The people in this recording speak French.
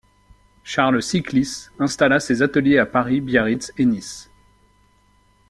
Charles Siclis installa ses ateliers à Paris, Biarritz et Nice.